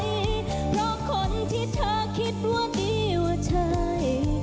เพราะคนที่เธอคิดว่าดีว่าใช่